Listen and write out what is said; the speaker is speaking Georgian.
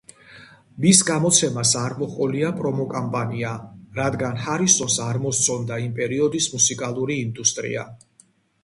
მის გამოცემას არ მოჰყოლია პრომოკამპანია, რადგანაც ჰარისონს არ მოსწონდა იმ პერიოდის მუსიკალური ინდუსტრია.